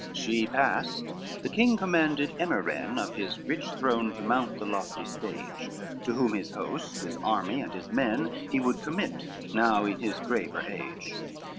XXXVII She passed, the king commanded Emiren Of his rich throne to mount the lofty stage, To whom his host, his army, and his men, He would commit, now in his graver age.